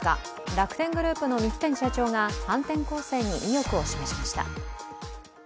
楽天グループの三木谷社長が反転攻勢に意欲を示しました。